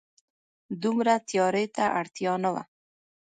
دومره تياري ته اړتيا نه وه